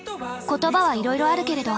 言葉はいろいろあるけれど。